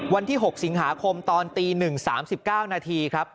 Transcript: วันที่๖สิงหาคมตอนตี๑๓๙นาทีครับ